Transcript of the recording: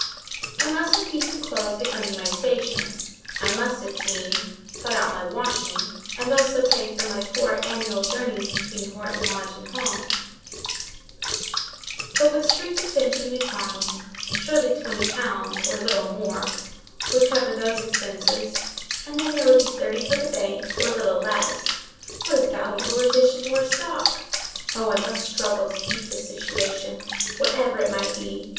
I must have decent clothes becoming my station; I must, it seemed, put out my washing, and also pay for my four annual journeys between Horton Lodge and home; but with strict attention to economy, surely twenty pounds, or little more, would cover those expenses, and then there would be thirty for the bank, or little less: what a valuable addition to our stock! Oh, I must struggle to keep this situation, whatever it might be!